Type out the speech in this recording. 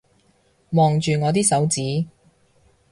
望住我啲手指